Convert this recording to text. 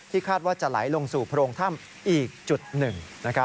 คาดว่าจะไหลลงสู่โพรงถ้ำอีกจุดหนึ่ง